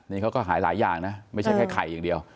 นี่เขาก็หายหลายอย่างนะไม่ใช่แค่ไข่อย่างเดียว